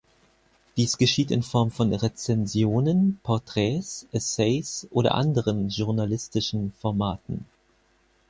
Dies geschieht in Form von Rezensionen, Porträts, Essays oder anderen journalistischen Formaten.